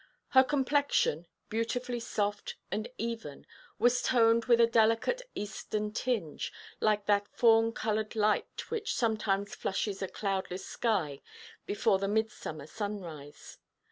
Her complexion, beautifully soft and even, was toned with a delicate eastern tinge, like that fawn–coloured light which sometimes flushes a cloudless sky before the midsummer sunrise.